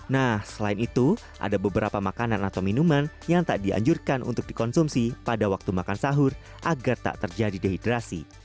nah selain itu ada beberapa makanan atau minuman yang tak dianjurkan untuk dikonsumsi pada waktu makan sahur agar tak terjadi dehidrasi